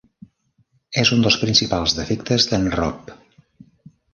És un dels principals defectes de"n Rob.